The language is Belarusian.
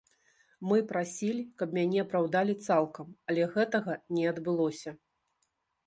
Мы прасілі, каб мяне апраўдалі цалкам, але гэтага не адбылося.